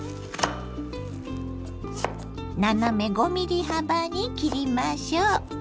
斜め５ｍｍ幅に切りましょう。